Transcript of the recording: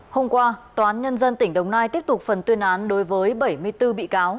hôm qua tòa án nhân dân tỉnh đồng nai tiếp tục phần tuyên án đối với bảy mươi bốn bị cáo